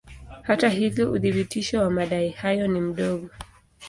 Hata hivyo uthibitisho wa madai hayo ni mdogo.